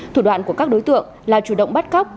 thủ đoạn của các đối tượng là chủ động bắt cóc